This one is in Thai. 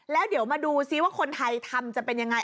แล้วเดี๋ยวมาดูซิว่าคนไทยทำจะเป็นยังไง